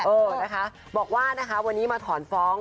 เออนะคะบอกว่านะคะวันนี้มาถอนฟ้อง